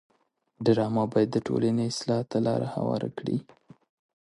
ډرامه باید د ټولنې اصلاح ته لاره هواره کړي